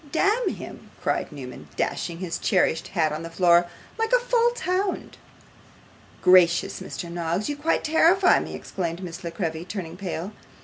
'Damn him!' cried Newman, dashing his cherished hat on the floor; 'like a false hound.' 'Gracious, Mr. Noggs, you quite terrify me!' exclaimed Miss La Creevy, turning pale.